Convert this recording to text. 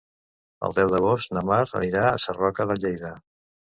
El deu d'agost na Mar anirà a Sarroca de Lleida.